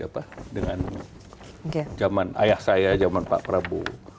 saat beliau dulu di apa dengan zaman ayah saya zaman pak prabowo